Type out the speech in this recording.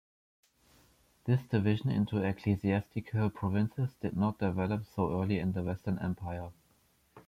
This division into ecclesiastical provinces did not develop so early in the Western Empire.